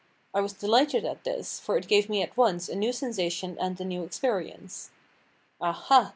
I was delighted at this, for it gave me at once a new sensation and a new experience. "Ah, ha!"